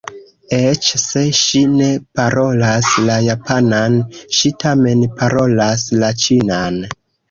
Eĉ se ŝi ne parolas la japanan, ŝi tamen parolas la ĉinan.